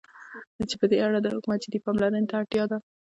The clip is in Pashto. چې په دې اړه د حكومت جدي پاملرنې ته اړتيا ده.